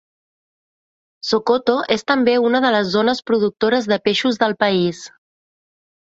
Sokoto és també una de les zones productores de peixos del país.